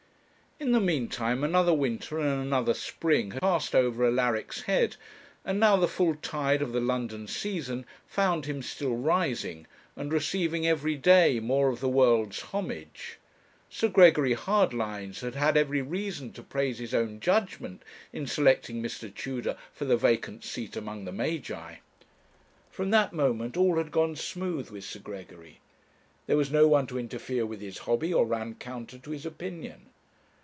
In the meantime another winter and another spring had passed over Alaric's head, and now the full tide of the London season found him still rising, and receiving every day more of the world's homage. Sir Gregory Hardlines had had every reason to praise his own judgement in selecting Mr. Tudor for the vacant seat among the Magi. From that moment all had gone smooth with Sir Gregory; there was no one to interfere with his hobby, or run counter to his opinion.